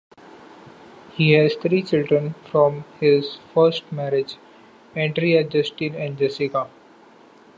He has three children from his first marriage, Andrea, Justin and Jessica.